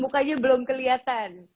mukanya belum keliatan